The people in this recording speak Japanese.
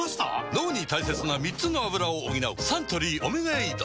脳に大切な３つのアブラを補うサントリー「オメガエイド」